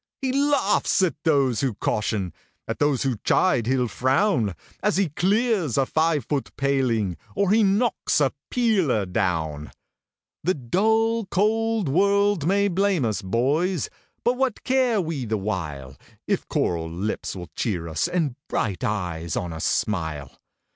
He laughs at those who caution, at those who chide he'll frown, As he clears a five foot paling, or he knocks a peeler down. The dull, cold world may blame us, boys! but what care we the while, If coral lips will cheer us, and bright eyes on us smile?